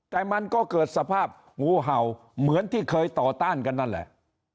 แต่มันก็เกิดสภาพงูเห่าเหมือนที่เคยต่อต้านกันนั่นแหละ